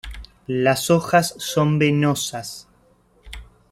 Las hojas son venosas.